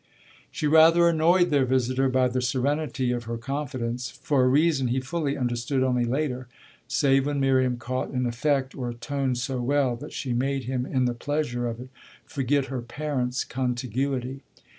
She rather annoyed their visitor by the serenity of her confidence for a reason he fully understood only later save when Miriam caught an effect or a tone so well that she made him in the pleasure of it forget her parent's contiguity.